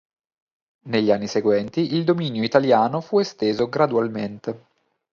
Negli anni seguenti il dominio italiano fu esteso gradualmente.